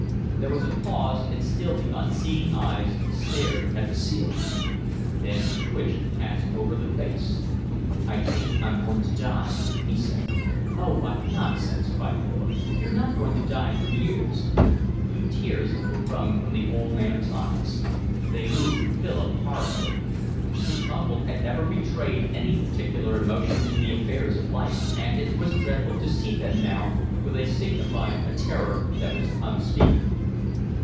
There was a pause, and still the unseeing eyes stared at the ceiling. Then a twitch passed over the face. "I think I'm going to die," he said. "Oh, what nonsense!" cried Philip. "You're not going to die for years." Two tears were wrung from the old man's eyes. They moved Philip horribly. His uncle had never betrayed any particular emotion in the affairs of life; and it was dreadful to see them now, for they signified a terror that was unspeakable.